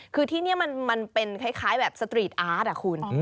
คือที่นี่มันเป็นคล้ายแบบสตรีทอาร์ตอ่ะคุณ